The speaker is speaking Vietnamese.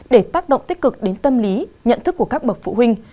để tác động tích cực đến tâm lý nhận thức của các bậc phụ huynh